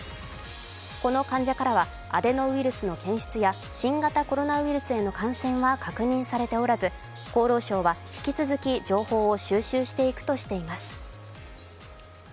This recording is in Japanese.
この患者からはアデノウイルスの検出や新型コロナウイルスへの感染は確認されておらず厚労省は引き続き情報を収集していくとしています。